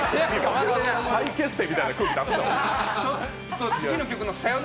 再結成みたいな空気出すな。